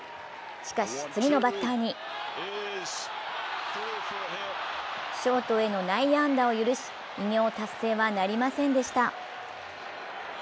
しかし、次のバッターにショートへの内野安打を許し、偉業達成はなりませんでした。